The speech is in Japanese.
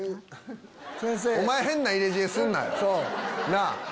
お前変な入れ知恵すんなよ！なぁ！